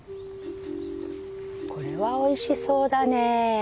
これはおいしそうだねぇ。